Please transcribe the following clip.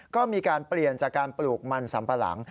ก็มีการเปลี่ยนจากการปลูกมันสัมปะหลัง